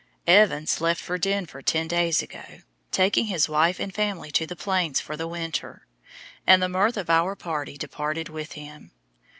Evans left for Denver ten days ago, taking his wife and family to the Plains for the winter, and the mirth of our party departed with him.